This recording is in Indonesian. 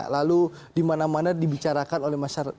lalu di mana mana dibicarakan oleh masyarakat